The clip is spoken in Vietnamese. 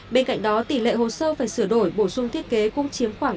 bên cạnh đó tỷ lệ hồ sơ phải sửa đổi bổ sung thiết kế cũng chiếm khoảng bốn mươi